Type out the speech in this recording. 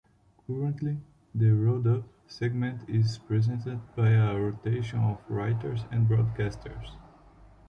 Currently, the "Round-up" segment is presented by a rotation of writers and broadcasters.